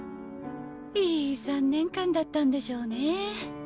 いい３年間だったんでしょうね。